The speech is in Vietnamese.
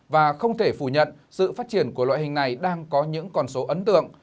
và không thể phủ nhận sự phát triển của loại hình này đang có những con số ấn tượng